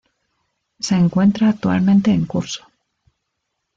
Se encuentra actualmente en curso.